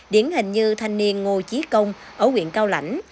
điển hình như thanh niên ngô chí công ở huyện cao lãnh